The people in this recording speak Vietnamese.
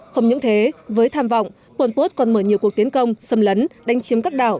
không những thế với tham vọng pol pot còn mở nhiều cuộc tiến công xâm lấn đánh chiếm các đảo